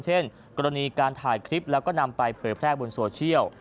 เช่นกรณีการถ่ายคลิปแล้วก็นำไปเผยแพร่บนโซเชียล